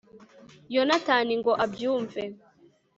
yonatani ngo abyumve